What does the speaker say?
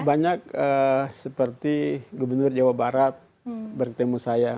banyak seperti gubernur jawa barat bertemu saya